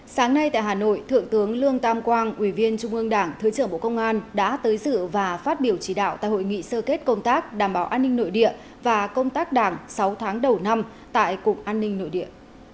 sáng nay tại hà nội thượng tướng lương tam quang ủy viên trung ương đảng thứ trưởng bộ công an đã tới dự và phát biểu chỉ đạo tại hội nghị sơ kết công tác đảm bảo an ninh nội địa và công tác đảng sáu tháng đầu năm tại cục an ninh nội địa